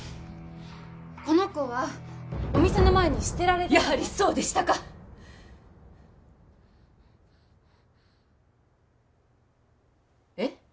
この子はお店の前に捨てられてたのやはりそうでしたかえっ？